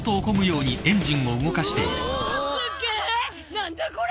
何だこれ！？